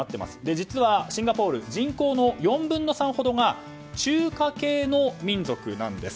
実はシンガポール人口の４分の３ほどが中華系の民族なんです。